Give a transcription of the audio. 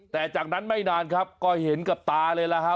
แต่จากนั้นไม่นานครับก็เห็นกับตาเลยล่ะฮะ